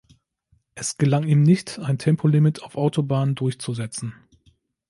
Es gelang ihm nicht, ein Tempolimit auf Autobahnen durchzusetzen.